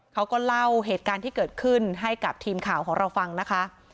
เขาก็เล่าเหตุการณ์ที่เกิดขึ้นให้กับทีมข่าวของเราฟังนะคะ